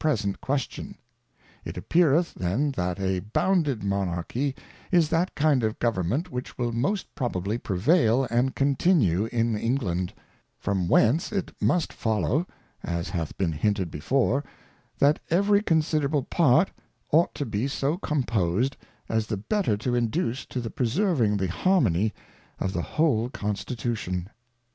present Question. It appeareth then that a bounded Monarchy is that kind of Govern ment which wiU most probably prevail and continue in England ; from whence it must follow (as hath been hinted before) that eveiy considerable Part ought to be so composed, as the better to conduce to the preserving the Harmony of the whole Con stitution.